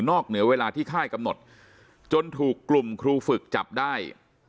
เหนือเวลาที่ค่ายกำหนดจนถูกกลุ่มครูฝึกจับได้